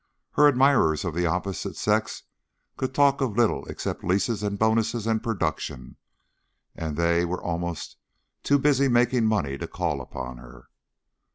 Her admirers of the opposite sex could talk of little except leases and bonuses and "production"; they were almost too busy making money to call upon her.